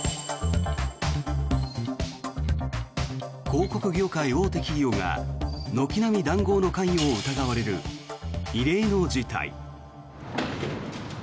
広告業界大手企業が軒並み談合の関与を疑われる異例の事態。